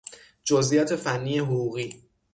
جزئیات فنی حقوقی